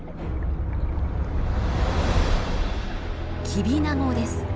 キビナゴです。